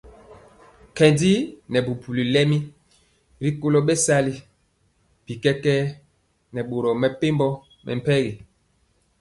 Nkendi nɛ bubuli lɛmi rikolo bɛsali bi kɛkɛɛ nɛ boro mepempɔ mɛmpegi.